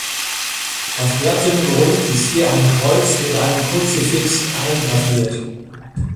Auf glattem Grund ist hier ein Kreuz mit einem Kruzifixus eingraviert.